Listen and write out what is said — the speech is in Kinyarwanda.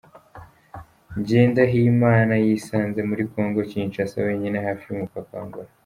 Ngendahimana yisanze muri Congo Kinshasa wenyine hafi y’umupaka wa Angola.